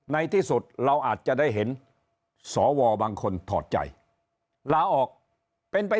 ในที่สุดเราอาจจะได้เห็นสวบางคนถอดใจลาออกเป็นไป